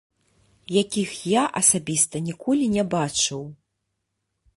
Якіх я асабіста ніколі не бачыў.